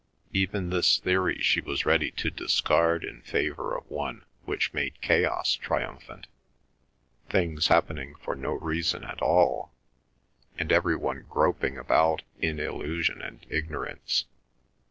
Even this theory she was ready to discard in favour of one which made chaos triumphant, things happening for no reason at all, and every one groping about in illusion and ignorance.